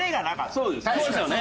そうですよね。